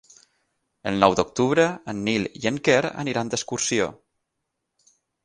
El nou d'octubre en Nil i en Quer aniran d'excursió.